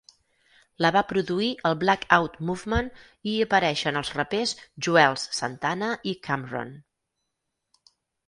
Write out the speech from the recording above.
La va produir el BlackOut Movement i hi apareixen els rapers Juelz Santana i Cam'ron.